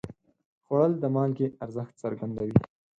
خوړل د مالګې ارزښت څرګندوي